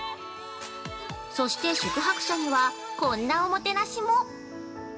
◆そして宿泊者にはこんなおもてなしも。